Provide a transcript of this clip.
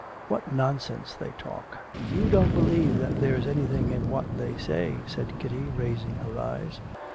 'What nonsense they talk; you don't believe that there's anything in what they say,' said Kitty, raising her eyes.